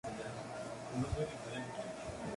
Actualmente está supervisando cuatro becas postdoctorales.